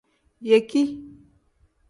Yeki.